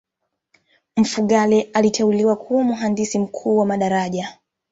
mfugale aliteuliwa kuwa mhandisi mkuu wa madaraja